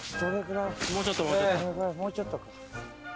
もうちょっとか。